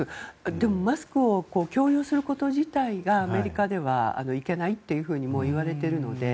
でもマスクを強要すること自体がアメリカではいけないというふうにいわれているので。